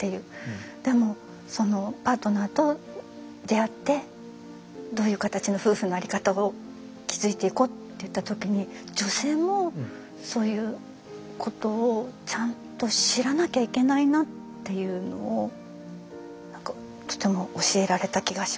でもそのパートナーと出会ってどういう形の夫婦の在り方を築いていこうっていった時に女性もそういうことをちゃんと知らなきゃいけないなっていうのをとても教えられた気がします。